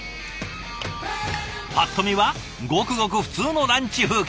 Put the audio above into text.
ぱっと見はごくごく普通のランチ風景。